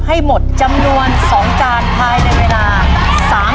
ให้หมดจำนวน๒การภายในเวลา๓นาที